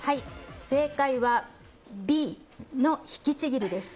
正解は、Ｂの引きちぎるです。